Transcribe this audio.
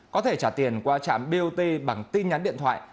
có thể trả tiền qua trạm bot bằng tin nhắn điện thoại